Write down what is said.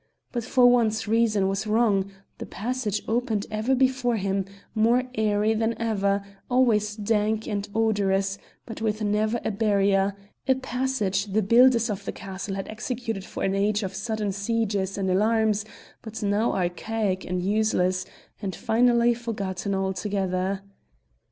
But for once reason was wrong; the passage opened ever before him, more airy than ever, always dank and odorous, but with never a barrier a passage the builders of the castle had executed for an age of sudden sieges and alarms, but now archaic and useless, and finally forgotten altogether.